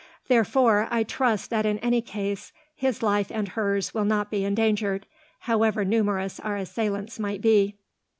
Therefore, I trust that in any case his life and hers will not be endangered, however numerous our assailants might be."